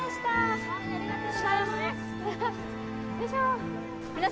ありがとうございます。